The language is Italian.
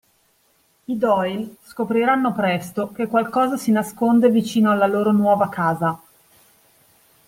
I Doyle scopriranno presto che qualcosa si nasconde vicino alla loro nuova casa.